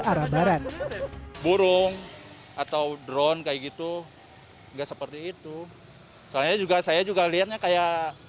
gara gara burung atau drone kayak gitu enggak seperti itu soalnya juga saya juga lihatnya kayak